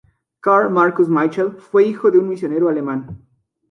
Karl Markus Michel fue hijo de un misionero alemán.